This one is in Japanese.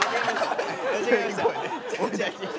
間違えました。